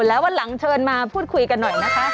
แล้ววันหลังเชิญมาพูดคุยกันหน่อยนะคะ